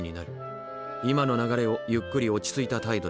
今の流れをゆっくり落ち着いた態度で。